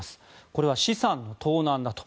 これは資産の盗難だと。